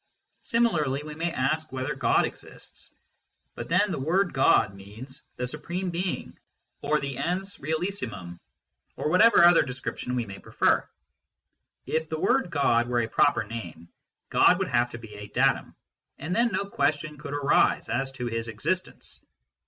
Similarly we may ask whether God exists ; but then " God " means " the Supreme Being " or " the ens realissimum " or whatever other description we may preler. If " God " were a proper name, God would have to be a datum ; and then no question could arise as to His existence.